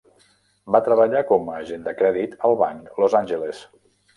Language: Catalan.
Va treballar com a agent de crèdit al banc Los Angeles.